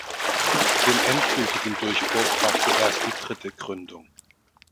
Den endgültigen Durchbruch brachte erst die dritte Gründung.